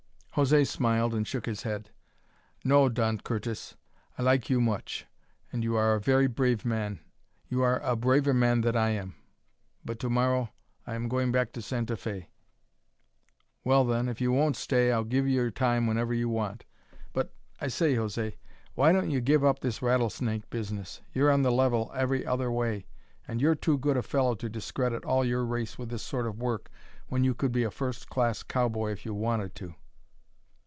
José smiled, and shook his head. "No, Don Curtis. I like you much, and you are a very brave man. You are a braver man than I am. But to morrow I am going back to Santa Fe." "Well, then, if you won't stay I'll give you your time whenever you want it. But, I say, José, why don't you give up this rattlesnake business? You're on the level every other way; and you're too good a fellow to discredit all your race with this sort of work when you could be a first class cowboy if you wanted to."